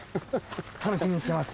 楽しみにしてます。